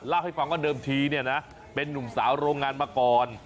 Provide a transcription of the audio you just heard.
ลากให้ฟังว่าเดิมทีเป็นนุ่มสาวโรงงานมาก่อน